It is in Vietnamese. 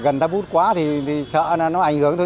gần tháp bút quá thì sợ nó ảnh hưởng thôi